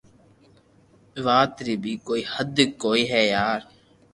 وات ري بي ڪوئي ھد ھوئي ھي وار